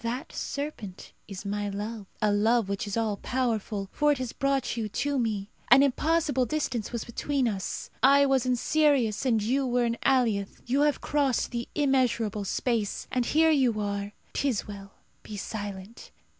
That serpent is my love a love which is all powerful, for it has brought you to me. An impossible distance was between us. I was in Sirius, and you were in Allioth. You have crossed the immeasurable space, and here you are. 'Tis well. Be silent.